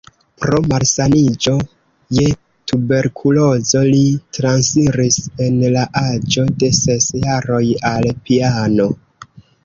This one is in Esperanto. Pro malsaniĝo je tuberkulozo li transiris en la aĝo de ses jaroj al piano.